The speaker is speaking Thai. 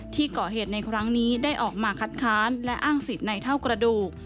ที่ก่อเหตุในครั้งนี้ได้ออกมาคัดค้านและอ้างสิทธิ์ในเท่ากระดูก